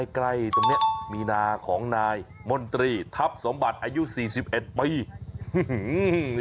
ใกล้ตรงนี้มีนาของนายมนตรีทัพสมบัติอายุ๔๑ปี